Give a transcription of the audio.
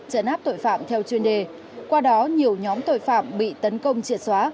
chấn áp tội phạm theo chuyên đề qua đó nhiều nhóm tội phạm bị tấn công triệt xóa